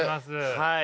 はい。